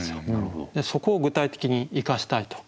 そこを具体的に生かしたいと。